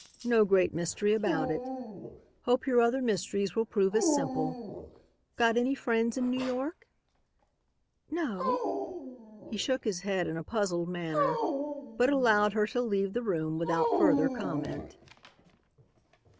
No great mystery about it. Hope your other mysteries will prove as simple. Got any friends in New York?" "No." He shook his head in a puzzled manner, but allowed her to leave the room without further comment.